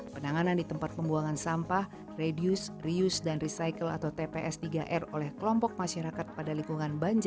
penanganan di tempat pembuangan sampah reduce reuse dan recycle atau tps tiga r oleh kelompok masyarakat pada lingkungan